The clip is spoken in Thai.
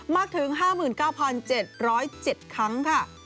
มากถึง๕๙๗๐๗ครั้งค่ะ